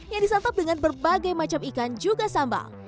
yang disantap dengan berbagai macam ikan juga sambal